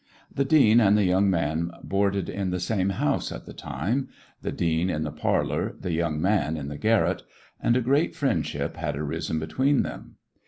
The dean and the young man boarded in the same house at the time,— the dean in the parlor, the young man in the garret,— and a great friendship had arisen be tween them.